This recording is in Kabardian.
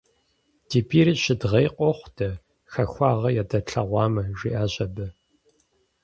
- Ди бийр щыдгъей къохъу дэ, хахуагъэ ядэтлъэгъуамэ, - жиӀащ абы.